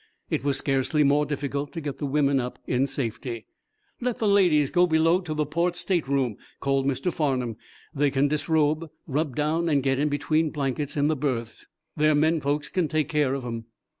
It was scarcely more difficult to get the women up in safety. "Let the ladies go below to the port stateroom," called Mr. Farnum. "They can disrobe, rub down and get in between blankets in the berths. Their men folks can take care of 'em."